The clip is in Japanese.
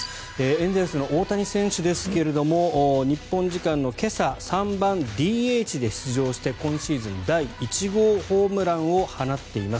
エンゼルスの大谷選手ですが日本時間の今朝３番ＤＨで出場して今シーズン第１号ホームランを放っています。